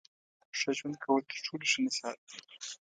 ښه ژوند کول تر ټولو ښه نصیحت دی.